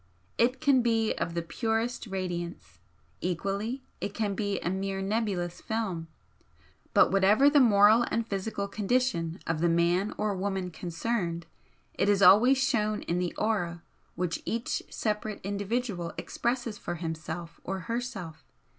It can be of the purest radiance, equally it can be a mere nebulous film, but whatever the moral and physical condition of the man or woman concerned it is always shown in the aura which each separate individual expresses for himself or herself.